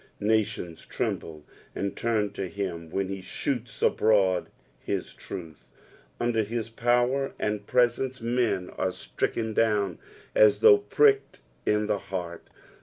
Nations tremble and turn to him when he shoots abroad his truth. Under his power and presence, men are stricken down as though pricked in the heart.